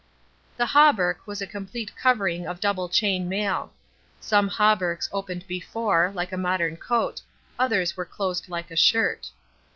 The hauberk was a complete covering of double chain mail. Some hauberks opened before, like a modern coat; others were closed like a shirt.